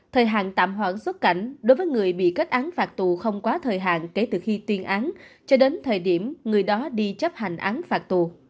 thời hạn tạm hoãn xuất cảnh đối với người bị kết án phạt tù không quá thời hạn kể từ khi tuyên án cho đến thời điểm người đó đi chấp hành án phạt tù